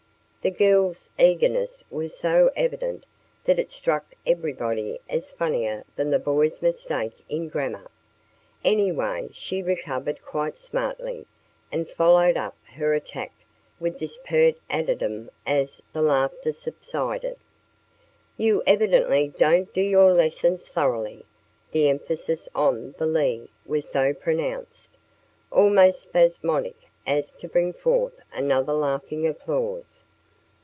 The girl's eagerness was so evident that it struck everybody as funnier than the boy's mistake in grammar. Anyway, she recovered quite smartly and followed up her attack with this pert addendum as the laughter subsided: "You evidently don't do your lessons thorough ly." The emphasis on the " ly" was so pronounced, almost spasmodic, as to bring forth another laughing applause.